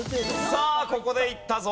さあここでいったぞ。